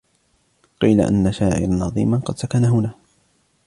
قيل أن شاعرا عظيما قد سكن هنا.